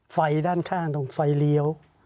ไฟด้านข้างตรงไฟเลี้ยว